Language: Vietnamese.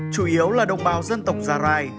chủ yếu là đồng bào dân tộc gia lai